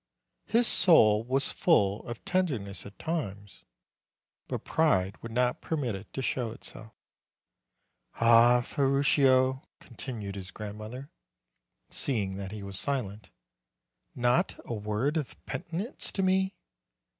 His soul was full of tenderness at times; but pride would not permit it to show itself. "Ah, Ferruccio," continued his grandmother, seeing that he was silent, "not a word of penitence to me!